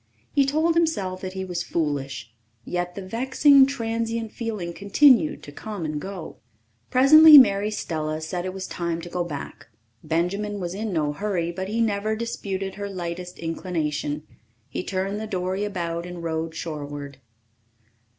He told himself that he was foolish, yet the vexing, transient feeling continued to come and go. Presently Mary Stella said it was time to go back. Benjamin was in no hurry, but he never disputed her lightest inclination. He turned the dory about and rowed shoreward.